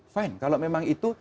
fine kalau memang itu